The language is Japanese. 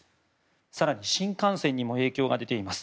更に新幹線にも影響が出ています。